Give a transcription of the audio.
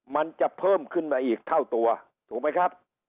มันจะเพิ่มขึ้นมาอีกเท่าตัวถูกไหมครับ